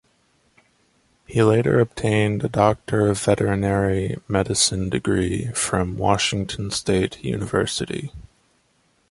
He later obtained a Doctor of Veterinary Medicine degree from Washington State University.